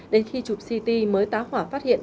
đến khi chụp ct mới tá hỏa phát hiện